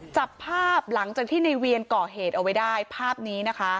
จับภาพหลังจากที่ในเวียนเกาะเหตุเอาไว้ได้